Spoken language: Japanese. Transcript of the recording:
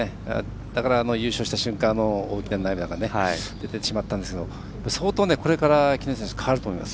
だから優勝した瞬間大きな涙が出てしまったんですけど相当、これから木下選手変わると思います。